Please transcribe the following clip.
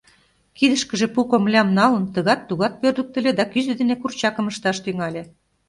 Кидышкыже пу комылям налын, тыгат-тугат пӧрдыктыльӧ да кӱзӧ дене курчакым ышташ тӱҥале.